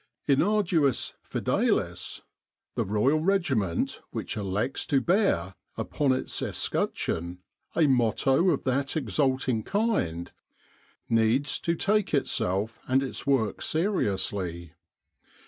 "In Arduis Fidelis " the Royal Regiment which elects to bear upon its escutcheon a motto of that ex alting kind, needs to take itself and its work seriously.